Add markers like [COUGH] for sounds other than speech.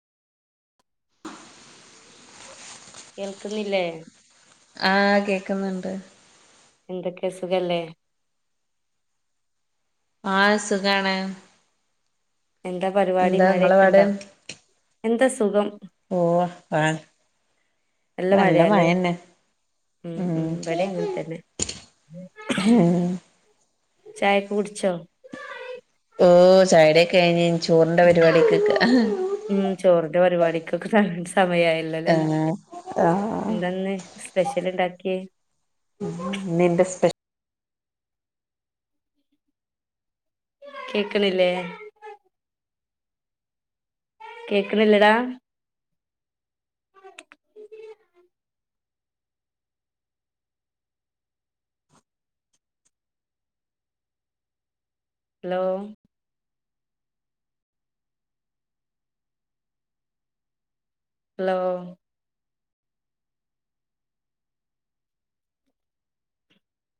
കേൾക്കുന്നില്ലേ ആഹ് കേക്കുന്നുണ്ട് എന്തൊക്കെ സുഖല്ലേ? ആഹ് സുഖാണ് എന്താ പരിവാടി എന്താ ഇങ്ങളെ പാട് മഴക്കെണ്ടോ? എന്താ സുഖം. ഓഹ് ആ നല്ല മഴന്നെ ഉം ഉ ബടി അങ്ങനെ തന്നെ ചായൊക്കെ കുട്ച്ചോ? ഹോ ചായൊടിയൊക്കെ കെഴിഞ്ഞ് ചോറിന്റെ ഉം പരിപാടിക്ക് നിക്കാ ഉം ചോറ്ന്റെ പരിപാടിക്കൊക്കെ സമയായല്ലല്ലേ ആഹ് ആഹ് എന്താന്ന് സ്പെ സ്പെഷ്യല്ണ്ടാക്കിയെ ഇന്ന് ന്റെ സ്പെഷ കേക്ണില്ലേ? കേക്ണില്ലടാ? [INAUDIBLE] Hello hello